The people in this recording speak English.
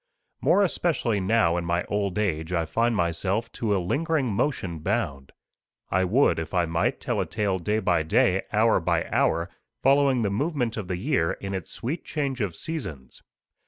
More especially now in my old age, I find myself "to a lingering motion bound." I would, if I might, tell a tale day by day, hour by hour, following the movement of the year in its sweet change of seasons.